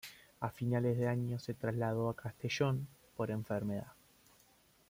A finales de año se trasladó a Castellón, por enfermedad.